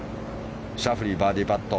シャフリー、バーディーパット。